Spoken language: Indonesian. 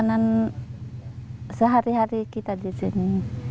ya makanan sehari hari kita di sini